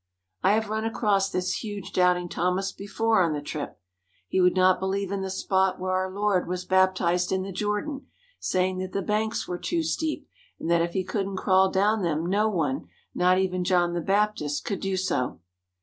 I have run across this huge doubting Thomas before on the trip. He would not believe in the spot where our Lord was bap tized in the Jordan, saying that the banks were too steep, and that if he couldn't crawl down them no one, not even John the Baptist, could do so.